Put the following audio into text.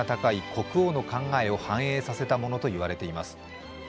国王の考えを反映させたものといわれています。